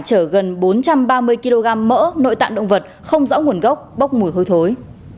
chở gần bốn trăm ba mươi kg mỡ nội tạng động vật không rõ nguồn gốc bốc mùi hôi thối